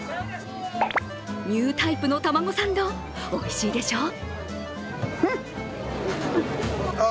ニュータイプのタマゴサンドおいしいでしょう？